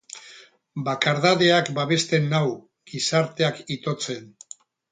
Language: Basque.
Bakardadeak babesten nau; gizarteak itotzen.